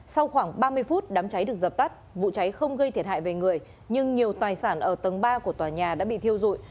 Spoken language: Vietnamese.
sau khoảng ba mươi phút đám cháy được dập tắt vụ cháy không gây thiệt hại về người nhưng nhiều tài sản ở tầng ba của tòa nhà đã bị thiêu dụi